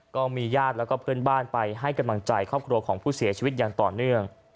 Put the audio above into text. ก็มีญาติแล้วก็เพื่อนบ้านไปให้กำลังใจครอบครัวของผู้เสียชีวิตอย่างต่อเนื่อง